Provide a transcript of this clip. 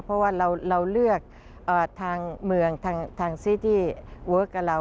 เพราะว่าเราเลือกทางเมืองทางซีตีที่เวิร์คกับเรา